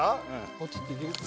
ポチッといける？